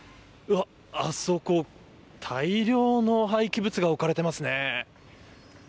あそこ、大量の廃棄物が置かれていますね。